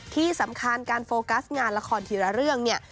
ที่สำคัญการโฟกัสงานละครทีละเรื่องเนี่ย